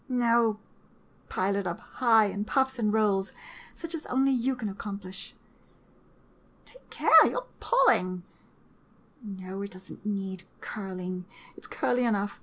No — pile it up high in puffs and rolls, such as only you can accomplish. Take care — you 're pulling. No, it does n't need curling, it 's curly enough.